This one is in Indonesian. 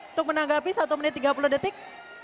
untuk menanggapi satu menit tiga puluh detik